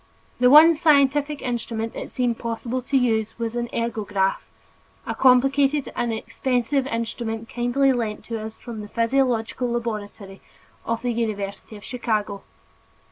The one scientific instrument it seemed possible to use was an ergograph, a complicated and expensive instrument kindly lent to us from the physiological laboratory of the University of Chicago.